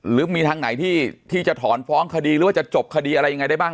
หรือมีทางไหนที่จะถอนฟ้องคดีหรือว่าจะจบคดีอะไรยังไงได้บ้าง